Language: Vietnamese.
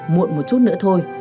muộn một chút nữa thôi